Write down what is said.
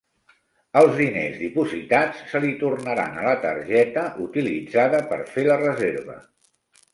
Els diners dipositats se li tornaran a la targeta utilitzada per fer la reserva.